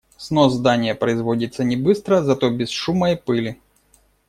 Снос здания производится не быстро, зато без шума и пыли.